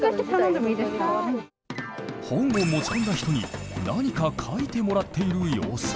本を持ち込んだ人に何か書いてもらっている様子。